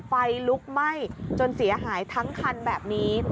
ไฟลุกไหม้จนเสียหายทั้งคันแบบนี้